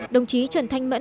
đồng chí trần thanh mẫn